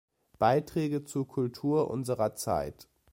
Beiträge zur Kultur unserer Zeit".